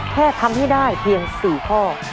แค่ทำให้ได้เพียง๔ข้อ